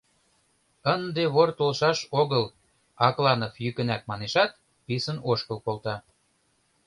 Ынде вор толшаш огыл, — Акланов йӱкынак манешат, писын ошкыл колта.